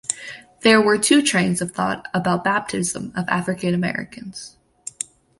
There were two trains of thought about baptism of African Americans.